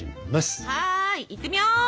はいいってみよう！ＯＫ！